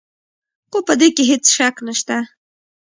خو په دې کې هېڅ شک نشته.